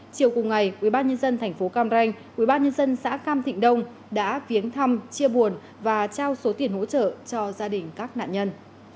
chiều cùng ngày ubnd tp cam ranh ubnd xã cam thịnh đông đã viếng thăm chia buồn và trao số tiền hỗ trợ cho gia đình các nạn nhân